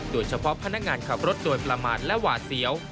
โดยเฉพาะพนักงานขับรถโดยประมาทและหวาดเสียว